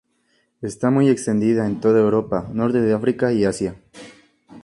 Está muy extendida en toda Europa, norte de África y Asia.